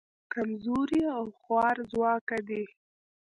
کمزوري او خوارځواکه دي.